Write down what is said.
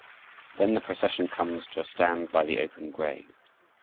Then the procession comes to a stand by the open grave.